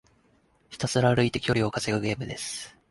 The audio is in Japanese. ひたすら歩いて距離を稼ぐゲームです。